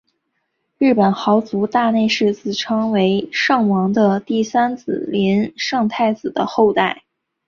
日本豪族大内氏自称是圣王的第三子琳圣太子的后代。